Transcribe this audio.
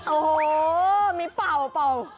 โอ้โฮมีเป่า